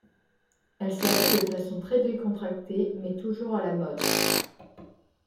Elle s'habille de façon très décontractée, mais toujours à la mode.